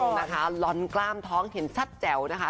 ถูกตรองนะคะร้อนกล้ามท้องเห็นชัดแจ๋วนะคะ